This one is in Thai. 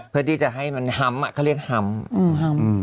เพื่อที่จะให้มันฮ้ำเขาเรียกฮ้ำ